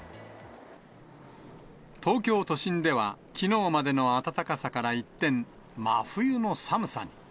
東京都心では、きのうまでの暖かさから一転、真冬の寒さに。